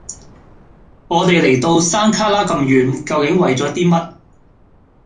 我哋嚟到到山旮旯咁遠，究竟為咗啲乜？